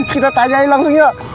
kita tanyain langsung yuk